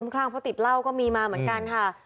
พร้อมคร่างพ่อติดเล่าก็มีมาเหมือนกันค่ะ